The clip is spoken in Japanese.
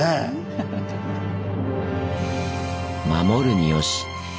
守るによし。